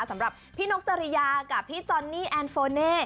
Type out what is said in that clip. สำหรับพี่นกจริยากับพี่จอนนี่แอนโฟเน่